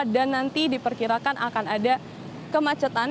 dan nanti diperkirakan akan ada kemacetan